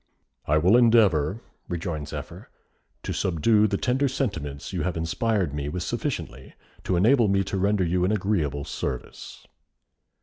"I will endeavour," rejoined Zephyr, "to subdue the tender sentiments you have inspired me with sufficiently to enable me to render you an agreeable service."